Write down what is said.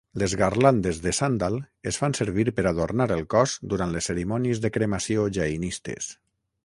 Les garlandes de sàndal es fan servir per adornar el cos durant les cerimònies de cremació jainistes.